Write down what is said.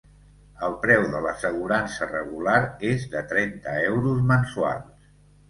El preu de l'assegurança regular és de trenta euros mensuals.